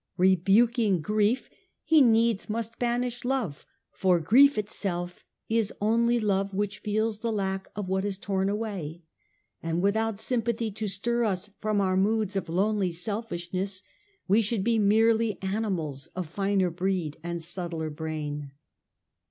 Rebuking grief, lie needs 1 7 2 The Age of the A ntonhies. ch. vm. must banish love, for grief itself is only love which feels the lack of what is torn away, and without sympathy to stir us from our moods of lonely selfishness we should be merely animals of finer breed and subtler brain.